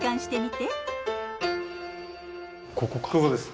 ここです。